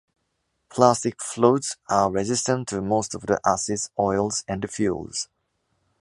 Plastic floats are resistant to most of the acids, oils and fuels.